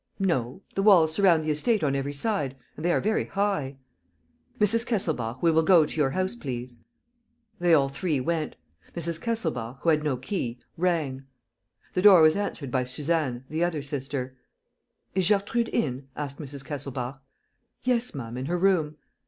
"No. The walls surround the estate on every side and they are very high. ..." "Mrs. Kesselbach, we will go to your house, please." They all three went. Mrs. Kesselbach, who had no key, rang. The door was answered by Suzanne, the other sister. "Is Gertrude in?" asked Mrs. Kesselbach. "Yes, ma'am, in her room."